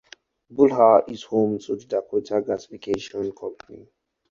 Beulah is home to the Dakota Gasification Company.